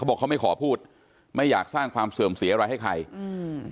บอกเขาไม่ขอพูดไม่อยากสร้างความเสื่อมเสียอะไรให้ใครอืม